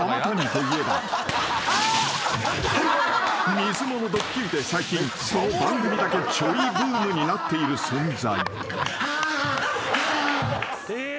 ［水物ドッキリで最近この番組だけちょいブームになっている存在］